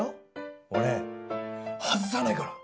俺外さないから。